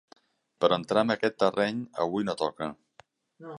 Però entrar en aquest terreny, avui, no toca.